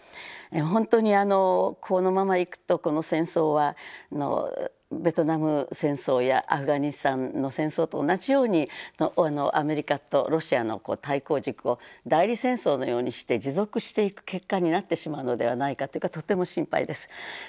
本当にこのままいくとこの戦争はベトナム戦争やアフガニスタンの戦争と同じようにアメリカとロシアの対抗軸を代理戦争のようにして持続していく結果になってしまうのではないかとても心配です。